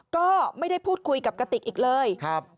ก็ไม่ได้พูดคุยกับกติกอีกเลย